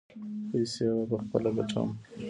پیسې به پخپله ګټم.